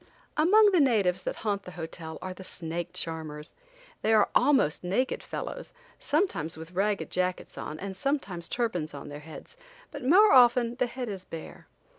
Among the natives that haunt the hotel are the snake charmers. They are almost naked fellows, sometimes with ragged jackets on and sometimes turbans on their heads, but more often the head is bare.